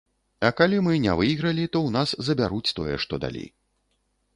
А калі мы не выйгралі, то ў нас забяруць тое, што далі.